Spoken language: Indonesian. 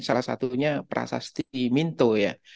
salah satunya prasasti minto ya